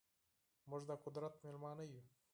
موږ ده قدرت میلمانه یو